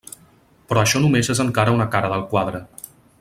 Però això només és encara una cara del quadre.